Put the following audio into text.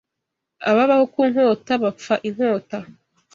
Ababaho ku nkota bapfa inkota.